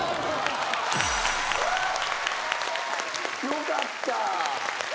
よかった。